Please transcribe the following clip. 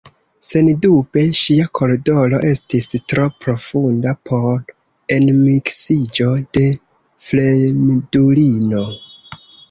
Sendube ŝia kordoloro estis tro profunda por enmiksiĝo de fremdulino.